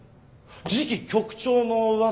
次期局長の噂。